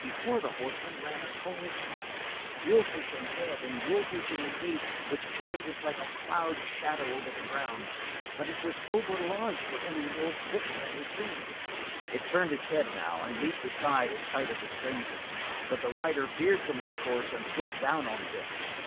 Before the horseman ran a tall dog, wolfish in head and wolfish in the gait which carried it like a cloud shadow over the ground, but it was over large for any wolf Vic had ever seen. It turned its head now, and leaped aside at sight of the stranger, but the rider veered from his course and swept down on Vic.